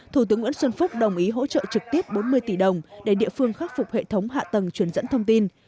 thủ tướng nguyễn xuân phúc đồng ý hỗ trợ trực tiếp bốn mươi tỷ đồng để địa phương khắc phục hệ thống hạ tầng truyền dẫn thông tin